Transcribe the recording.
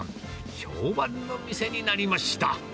評判の店になりました。